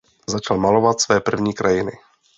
Začal malovat své první krajiny.